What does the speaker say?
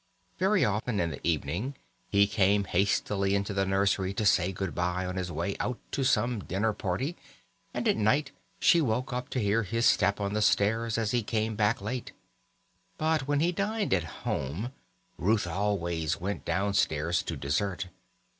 Very often in the evening he came hastily into the nursery to say good bye on his way out to some dinner party, and at night she woke up to hear his step on the stairs as he came back late. But when he dined at home Ruth always went downstairs to dessert.